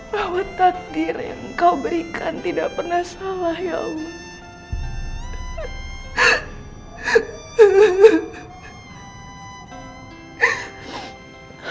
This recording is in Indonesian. bahwa takdir yang kau berikan tidak pernah salah ya allah